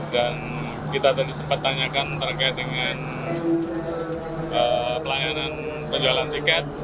dan kita tadi sempat tanyakan terkait dengan pelayanan penjualan tiket